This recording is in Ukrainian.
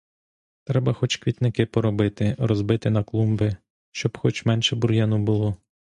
Треба хоч квітники поробити, розбити на клумби, щоб хоч менше бур'яну було.